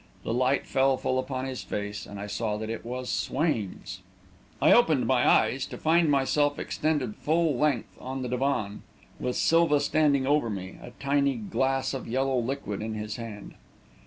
The light fell full upon his face and I saw that it was Swain's! I opened my eyes to find myself extended full length on the divan, with Silva standing over me, a tiny glass of yellow liquid in his hand.